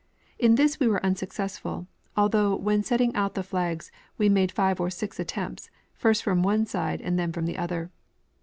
In this we were unsuccessful, although when setting out the flags we made five or six attempts, first from one side and then from the other.